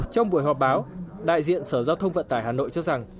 trong buổi họp báo đại diện sở giao thông vận tải hà nội cho rằng